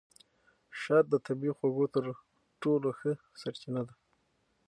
شات د طبیعي خوږو تر ټولو ښه سرچینه ده.